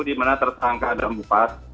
di mana tersangka dan tersangka